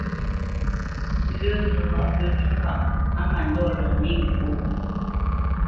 Lə́ nəghǎ pə ncû ŋgâʼ á mândɔ̂ lɔ ndê ŋgwóʼ.